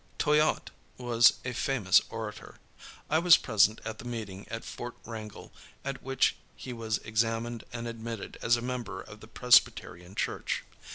Toyatte was a famous orator. I was present at the meeting at Fort Wrangell at which he was examined and admitted as a member of the Presbyterian Church.